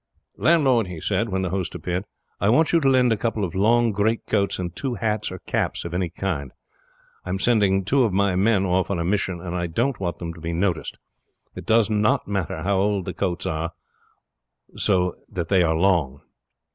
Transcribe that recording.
"Landlord," he said, when the host appeared, "I want you to lend a couple of long greatcoats and two hats or caps of any kind. I am sending two of my men off on a mission, and I don't want them to be noticed. It does not matter how old the coats are so that they are long."